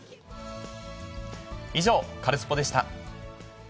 以上、カルスポっ！でした。